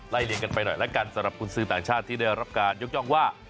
เลี่ยงกันไปหน่อยแล้วกันสำหรับคุณซื้อต่างชาติที่ได้รับการยกย่องว่า